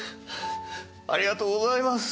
ありがとうございます。